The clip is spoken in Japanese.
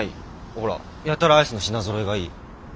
ほらやたらアイスの品ぞろえがいい。